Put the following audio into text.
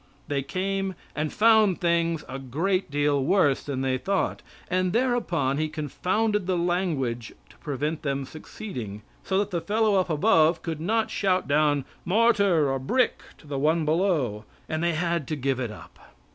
They came, and found things a great deal worse than they thought, and thereupon He confounded the language to prevent them succeeding, so that the fellow up above could not shout down "mortar" or "brick" to the one below, and they had to give it up.